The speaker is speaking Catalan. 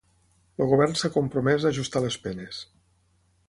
El govern s'ha compromès a ajustar les penes.